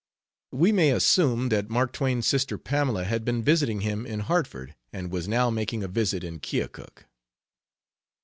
We may assume that Mark Twain's sister Pamela had been visiting him in Hartford and was now making a visit in Keokuk.